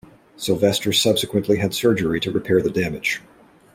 Silvestre subsequently had surgery to repair the damage.